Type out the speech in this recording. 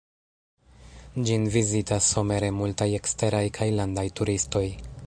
Ĝin vizitas somere multaj eksteraj kaj landaj turistoj.